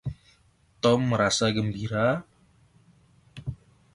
Tom merasa gembira.